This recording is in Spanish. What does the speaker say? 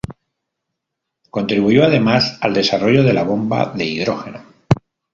Contribuyó, además, al desarrollo de la bomba de hidrógeno.